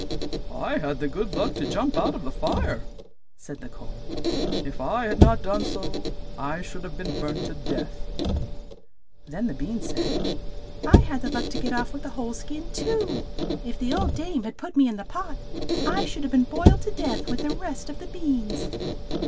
"I had the good luck to jump out of the fire," said the coal. "If I had not done so, I should have been burnt to death." Then the bean said, "I had the luck to get off with a whole 26 THE STRAW, THE COAL, AND THE BEAN skin, too. If the old dame had put me in the pot, I should have been boiled to death with the rest of the beans."